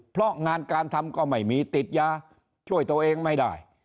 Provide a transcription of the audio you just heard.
เพราะงานการทำก็ไม่มีติดยาช่วยตัวเองไม่ได้